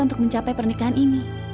untuk mencapai pernikahan ini